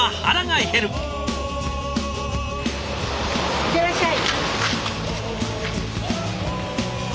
いってらっしゃい。